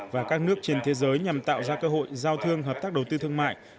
và các nước trên thế giới nhằm tạo ra cơ hội giao thương hợp tác đầu tư thương mại